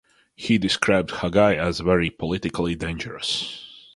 He described Hagai as "very politically dangerous".